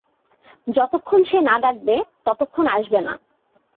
যতক্ষণ সে না ডাকবে, ততক্ষণ আসবে না।